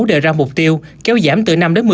đề ra mục tiêu kéo giảm từ năm đến một mươi